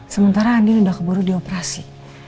sementara andin udah keburu di operasi